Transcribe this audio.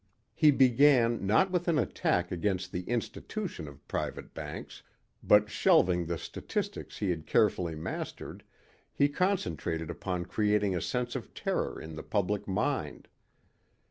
He began not with an attack against the institution of private banks, but shelving the statistics he had carefully mastered, he concentrated upon creating a sense of terror in the public mind.